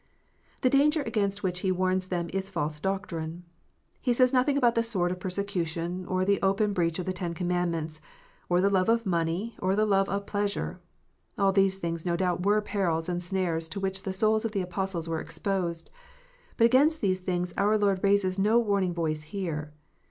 The danger against which He warns them is false doctrine. He says nothing about the sword of persecution, or the open breach of the Ten Commandments, or the love of money, or the love of pleasure. All these things no doubt were perils and snares to which the souls of the Apostles were exposed ; but against these things our Lord raises no warning voice here.